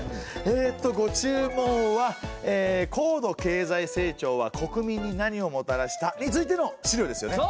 えっとご注文は「高度経済成長は国民に何をもたらした？」についての資料ですよね。